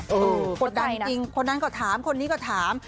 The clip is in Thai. กดดันจริงคนนั้นก็ถามคนนี้ก็ถาม